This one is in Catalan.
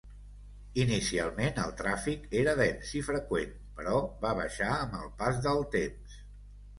Inicialment, el tràfic era dens i freqüent, però va baixar amb el pas del temps.